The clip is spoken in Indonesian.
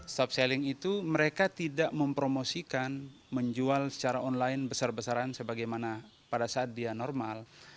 stop selling itu mereka tidak mempromosikan menjual secara online besar besaran sebagaimana pada saat dia normal